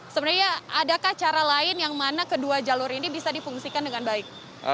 sebenarnya adakah cara lain yang mana kedua jalur ini bisa difungsikan dengan baik